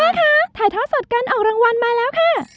แม่คะถ่ายท้าวสดกันออกรางวัลมาแล้วค่ะ